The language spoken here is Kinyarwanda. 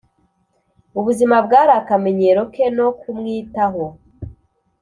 ubuzima bwari akamenyero ke no kumwitaho,